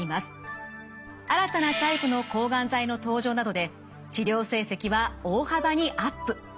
新たなタイプの抗がん剤の登場などで治療成績は大幅にアップ。